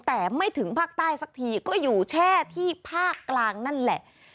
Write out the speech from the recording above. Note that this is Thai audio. แต่ไม่ถึงภาคใต้สักทีก็อยู่แช่ที่ภาคกลางนั่นแหละ